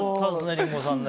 リンゴさん。